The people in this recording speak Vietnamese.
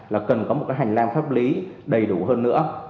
là cần có một cái hành lang pháp lý đầy đủ hơn nữa